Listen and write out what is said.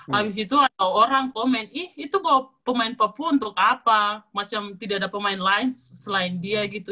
habis itu ada orang komen ih itu bahwa pemain papua untuk apa macam tidak ada pemain lain selain dia gitu